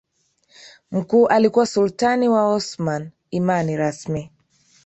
mkuu alikuwa Sultani wa Waosmani Imani rasmi